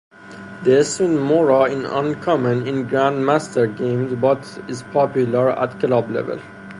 The Smith-Morra is uncommon in grandmaster games, but is popular at club level.